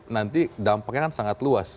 nanti dampaknya kan sangat luas